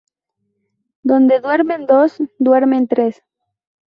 Donde duermen dos... duermen tres